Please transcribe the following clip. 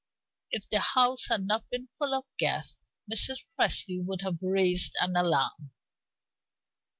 If the house had not been full of guests, Mrs. Presty would now have raised an alarm.